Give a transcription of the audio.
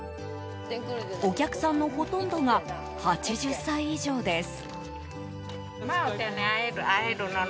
お客さんのほとんどが８０歳以上です。